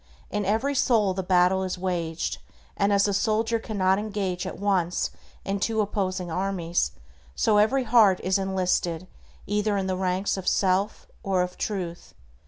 In every soul the battle is waged, and as a soldier cannot engage at once in two opposing armies, so every heart is enlisted either in the ranks of self or of Truth.